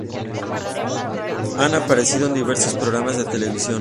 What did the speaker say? Han aparecido en diversos programas de televisión.